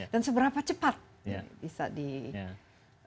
dan seberapa cepat bisa dikerasakan